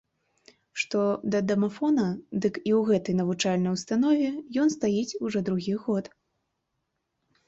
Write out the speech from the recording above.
Што да дамафона, дык і ў гэтай навучальнай установе ён стаіць ужо другі год.